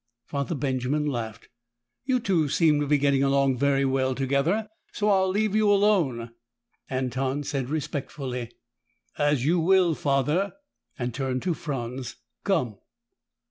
Father Benjamin laughed. "You two seem to be getting along very well together, so I'll leave you alone." Anton said respectfully, "As you will, Father," and turned to Franz. "Come."